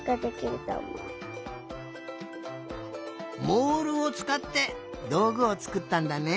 モールをつかってどうぐをつくったんだね。